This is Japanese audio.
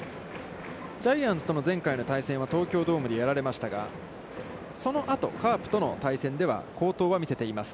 ジャイアンツとの前回の対戦は東京ドームでやられましたが、その後カープとの対戦では、好投は見せています。